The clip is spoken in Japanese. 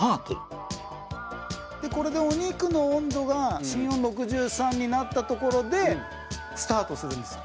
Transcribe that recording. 品川：これで、お肉の温度が芯温６３になったところでスタートするんですよ。